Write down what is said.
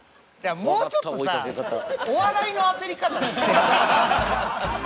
「もうちょっとさお笑いの焦り方してよ」